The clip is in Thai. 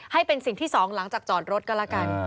ให้เป็นสิ่งที่สองหลังจากจอดรถก็แล้วกัน